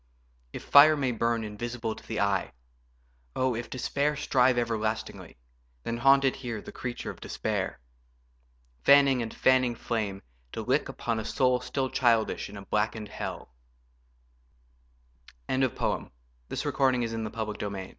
If fire may burn invisible to the eye; O, if despair strive everlastingly; Then haunted here the creature of despair, Fanning and fanning flame to lick upon A soul still childish in a blackened hell. BANQUO What dost thou here far from thy native place?